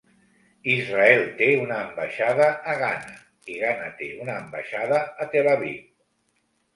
Israel té una ambaixada a Ghana i Ghana té una ambaixada a Tel Aviv.